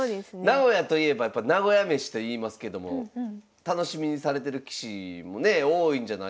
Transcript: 名古屋といえばやっぱ名古屋めしといいますけども楽しみにされてる棋士もね多いんじゃないかということで。